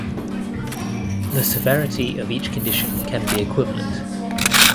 The severity of each condition can be equivalent.